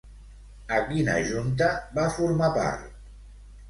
A quina junta va formar part?